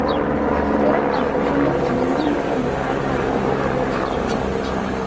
Era tan profundo que ningún ojo mortal alcanzaba ver el fondo.